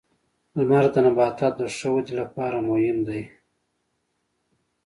• لمر د نباتاتو د ښه ودې لپاره مهم دی.